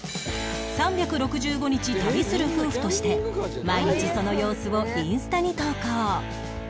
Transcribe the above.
「３６５日旅する夫婦」として毎日その様子をインスタに投稿